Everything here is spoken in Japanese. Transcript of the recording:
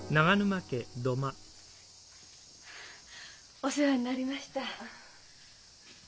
お世話になりました。